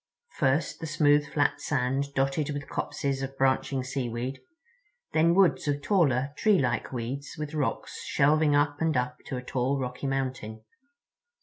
First, the smooth flat sand dotted with copses of branching seaweed—then woods of taller treelike weeds with rocks shelving up and up to a tall, rocky mountain.